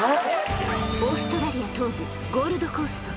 オーストラリア東部ゴールドコースト